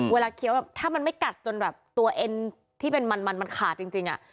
เคี้ยวแบบถ้ามันไม่กัดจนแบบตัวเอ็นที่เป็นมันมันขาดจริง